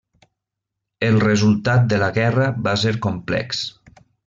El resultat de la guerra va ser complex.